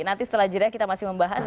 nanti setelah jeda kita masih membahas